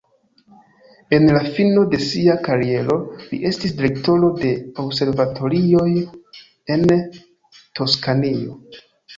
En la fino de sia kariero li estis direktoro de observatorioj en Toskanio.